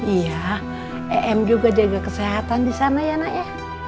iya em juga jaga kesehatan disana ya nak ya